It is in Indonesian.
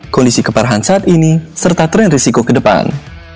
kondisi keparahan saat ini serta tren risiko ke depan